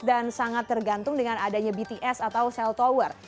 dan sangat tergantung dengan adanya bts atau cell tower